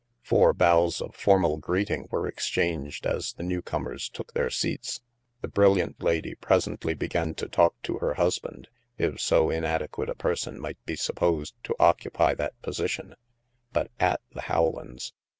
Four bows of formal greeting were exchanged as the newcomers took their seats. The brilliant lady presently began to talk to her husband (if so inadequate a person might be supposed to occupy that position), but at the Howlands.